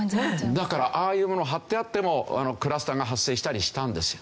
だからああいうものを貼ってあってもクラスターが発生したりしたんですよ。